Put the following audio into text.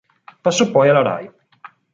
Passò poi alla Rai.